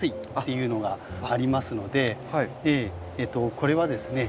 これはですね